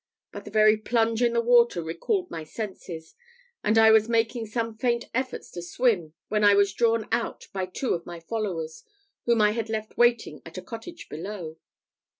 But the very plunge in the water recalled my senses; and I was making some faint efforts to swim, when I was drawn out by two of my followers, whom I had left waiting at a cottage below.